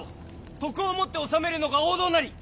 徳をもって治めるのが王道なり！